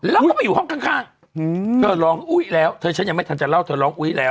แล้วก็ไปอยู่ห้องข้างเธอร้องอุ๊ยแล้วเธอฉันยังไม่ทันจะเล่าเธอร้องอุ๊ยแล้ว